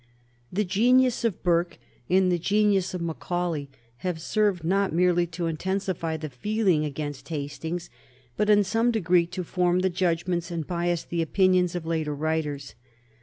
The genius of Burke and the genius of Macaulay have served not merely to intensify the feeling against Hastings, but in some degree to form the judgments and bias the opinions of later writers.